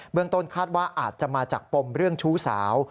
ต้นคาดว่าอาจจะมาจากปมเรื่องชู้สาว